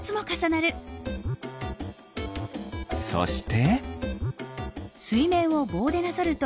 そして。